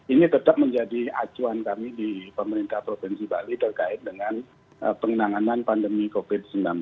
ini tetap menjadi acuan kami di pemerintah provinsi bali terkait dengan pengenangan pandemi covid sembilan belas